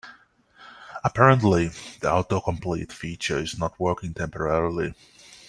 Apparently, the autocomplete feature is not working temporarily.